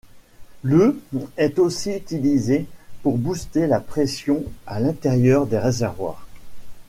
Le est aussi utilisé pour booster la pression à l'intérieur des réservoirs.